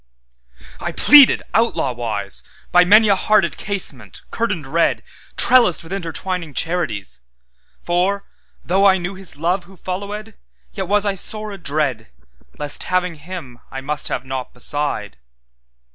'I pleaded, outlaw wise, By many a hearted casement, curtained red, Trellised with intertwining charities;(For, though I knew His love Who followèd, Yet was I sore adreadLest, having Him, I must have naught beside).